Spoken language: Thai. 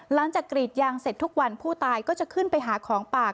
กรีดยางเสร็จทุกวันผู้ตายก็จะขึ้นไปหาของปาก